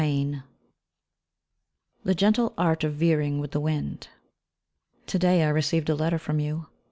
XVIII THE GENTLE ART OF VEERING WITH THE WIND To day I received a letter from you.